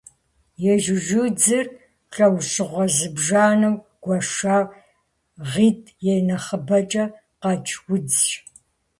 Ежьужьудзыр лӏэужьыгъуэ зыбжанэу гуэша, гъитӏ е нэхъыбэкӏэ къэкӏ удзщ.